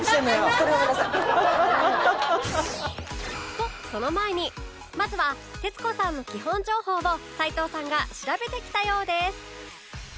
とその前にまずは徹子さんの基本情報を齊藤さんが調べてきたようです